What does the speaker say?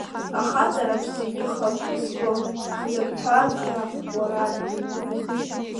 Ахаҵараҿ зегьы иҳаԥызго, хьӡырҳәага уара аду.